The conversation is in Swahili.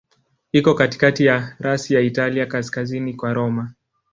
Iko katikati ya rasi ya Italia, kaskazini kwa Roma.